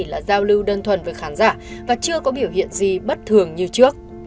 là giao lưu đơn thuần với khán giả và chưa có biểu hiện gì bất thường như trước